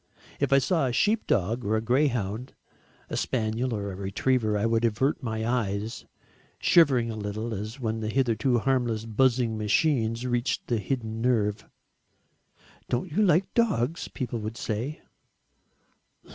If I saw a sheepdog, or a greyhound, a spaniel or a retriever, I would avert my eyes, shivering a little as when the hitherto harmless buzzing machine reaches the hidden nerve. "Don't you like dogs?" people would say.